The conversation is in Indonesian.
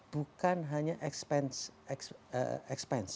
bukan hanya expense